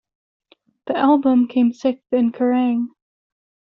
The album came sixth in Kerrang!